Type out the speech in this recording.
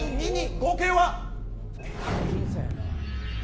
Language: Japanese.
合計は。